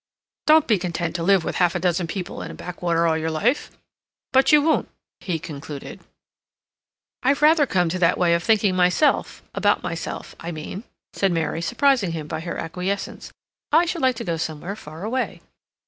Don't be content to live with half a dozen people in a backwater all your life. But you won't," he concluded. "I've rather come to that way of thinking myself—about myself, I mean," said Mary, surprising him by her acquiescence. "I should like to go somewhere far away."